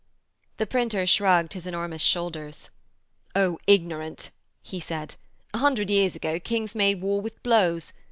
The printer shrugged his enormous shoulders. 'Oh, ignorant!' he said. 'A hundred years ago kings made war with blows.